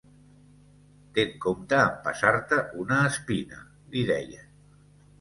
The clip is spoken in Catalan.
Ten compte a empassar-te una espina,—li deia